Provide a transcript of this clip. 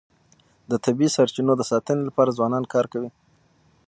د طبیعي سرچینو د ساتنې لپاره ځوانان کار کوي.